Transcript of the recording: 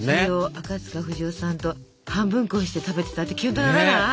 赤塚不二夫さんと半分こして食べてたってキュンとならない？